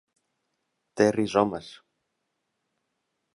Té rizomes.